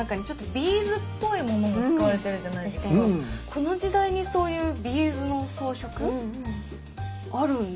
この時代にそういうビーズの装飾？あるんですね。